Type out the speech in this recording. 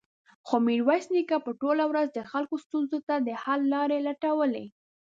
خو ميرويس نيکه به ټوله ورځ د خلکو ستونزو ته د حل لارې لټولې.